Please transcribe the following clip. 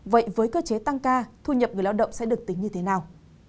vậy với cơ chế tăng ca thu nhập người lao động sẽ được tính như thế nào